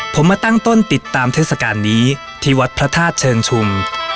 ผมมาตั้งต้นติดตามเทศกาลนี้ที่วัดพระธาตุเชิงชุม